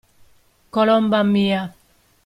Colomba mia.